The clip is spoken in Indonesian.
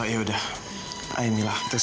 oh yaudah ayo kamil tepukkan daerah